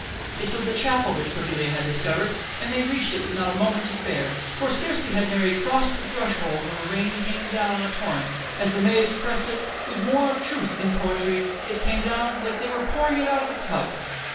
It was the chapel which Cordelia had discovered, and they reached it with not a moment to spare, for scarcely had Mary crossed the threshold when the rain came down in a torrent. As the maid expressed it, with more of truth than poetry it came down "like they were pouring it out of a tub."